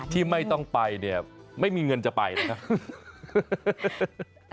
ที่ไม่ต้องไปเนี่ยไม่มีเงินจะไปนะครับ